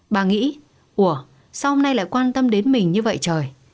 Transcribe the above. bà nghĩ ủa sao hôm nay lại quan tâm đến mình như vậy trời